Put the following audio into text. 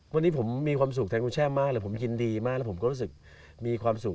วันนี้ผมมีความสุขแทนคุณแช่มากเลยผมยินดีมากแล้วผมก็รู้สึกมีความสุข